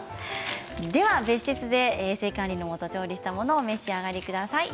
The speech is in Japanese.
では別室で衛生管理のもと調理したものをお召し上がりください。